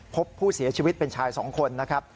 พบผู้เสียชีวิตเป็นชาย๒คนนะครับ